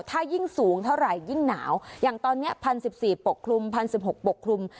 ถ้ายิ่งสูงเท่าไหร่ยิ่งหนาวอย่างตอนนี้๑๐๑๔ปกคลุม๑๐๑๖ปกคลุม